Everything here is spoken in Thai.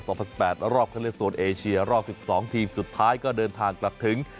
รอบเครื่องเลือดโซนเอเชียรอบ๑๒ทีมสุดท้ายก็เดินทางกลับถึง